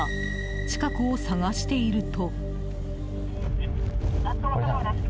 近くを探していると。